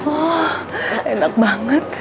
oh enak banget